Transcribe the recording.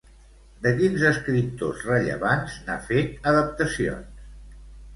De quins escriptors rellevants n'ha fet adaptacions?